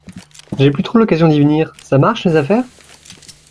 j’ai plus trop l’occasion d’y venir. Ça marche, les affaires ?